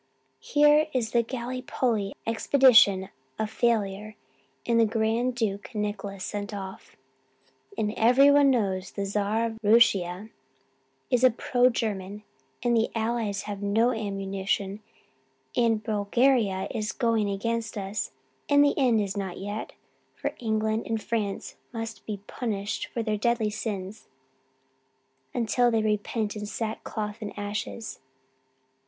'Here is the Gallipolly expedition a failure and the Grand Duke Nicholas sent off, and everyone knows the Czar of Rooshia is a pro German and the Allies have no ammunition and Bulgaria is going against us. And the end is not yet, for England and France must be punished for their deadly sins until they repent in sackcloth and ashes.'